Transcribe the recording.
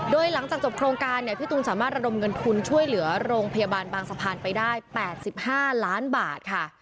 โดยหลังจากจบโครงการเนี่ยพี่ตูนสามารถระดมเงินทุนช่วยเหลือโรงพยาบาลบางสะพานไปได้๘๕ล้านบาทค่ะ